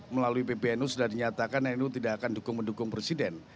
melalui pbnu sudah dinyatakan nu tidak akan mendukung presiden